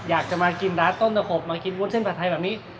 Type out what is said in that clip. อยากจะมากินร้านต้มตะขบมากินวุ้นเส้นผัดไทยแบบนี้